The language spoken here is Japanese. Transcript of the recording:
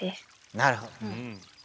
なるほど。